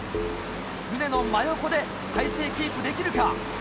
船の真横で体勢キープできるか？